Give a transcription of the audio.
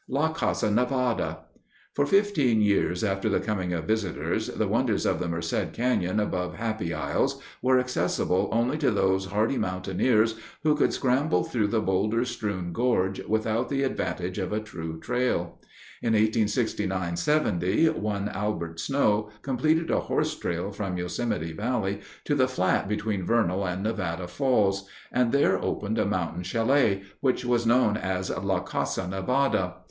La Casa Nevada For fifteen years after the coming of visitors, the wonders of the Merced Canyon above Happy Isles were accessible only to those hardy mountaineers who could scramble through the boulder strewn gorge without the advantage of a true trail. In 1869 70 one Albert Snow completed a horse trail from Yosemite Valley to the flat between Vernal and Nevada falls, and there opened a mountain chalet, which was to be known as "La Casa Nevada."